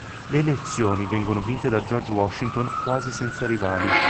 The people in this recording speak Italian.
Le elezioni furono vinte da George Washington quasi senza rivali.